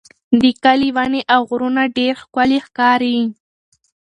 د کلي ونې او غرونه ډېر ښکلي ښکاري.